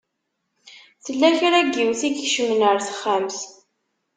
Tella kra n yiwet i ikecmen ar texxamt.